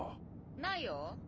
ないよ。